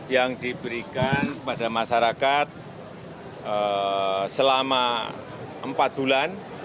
yang diberikan kepada masyarakat selama empat bulan